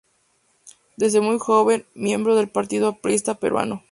Desde muy joven fue miembro del Partido Aprista Peruano.